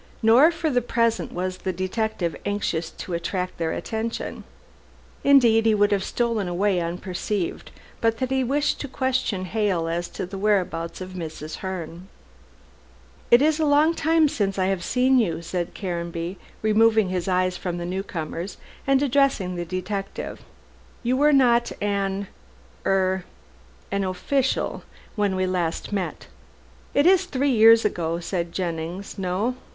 Nor for the present was the detective anxious to attract their notice. Indeed, he would have stolen away unperceived, but that he wished to question Hale as to the whereabouts of Mrs. Herne. "It is a long time since I have seen you," said Caranby, removing his eyes from the newcomers, and addressing the detective; "you were not an er an official when we last met." "It is three years ago," said Jennings; "no.